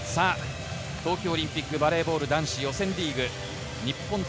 東京オリンピック、バレーボール男子予選リーグ日本対